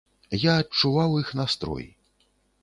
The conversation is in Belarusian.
Я адчуваў іх настрой.